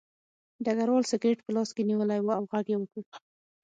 ډګروال سګرټ په لاس کې نیولی و او غږ یې وکړ